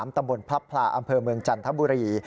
ตำบลพลับพลาอำเภอเมืองจันทบุรี